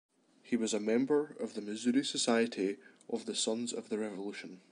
He was a member of the Missouri Society of the Sons of the Revolution.